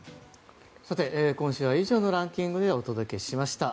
今週は以上のランキングでお届けしました。